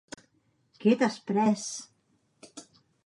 Què t'has pres?